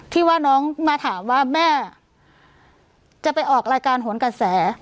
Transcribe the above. ที่ว่าน้องมาถามว่าแม่จะไปออกรายการโหนกระแส